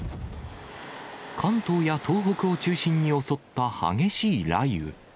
関東や東北を中心に襲った激しい雷雨。